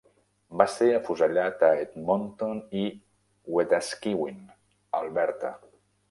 Va ser afusellat a Edmonton i Wetaskiwin, Alberta.